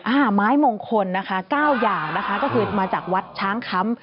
อ่าไม้มงคลนะคะเก้าอย่างนะคะก็คือมาจากวัดช้างคำ